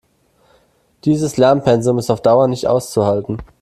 Dieses Lernpensum ist auf Dauer nicht auszuhalten.